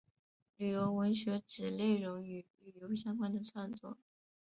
旅游文学指内容与旅游相关的创作。